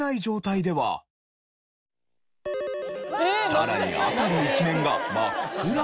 さらに辺り一面が真っ暗に。